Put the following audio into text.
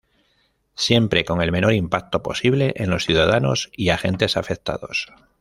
Siempre con el menor impacto posible en los ciudadanos y agentes afectados.